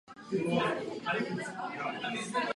Ovšem i rychlost biochemických reakcí jej může určovat.